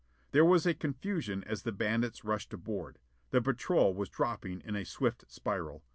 There was a confusion as the bandits rushed aboard. The patrol was dropping in a swift spiral.